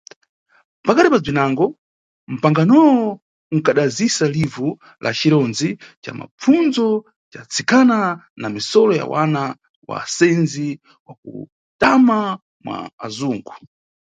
Pakati pa bzwinango, mpanganoyo unkadazisa livu la cirondzi ca mapfundzo ca atsikana na misolo ya wana wa asendzi wa kutama mwa azungu.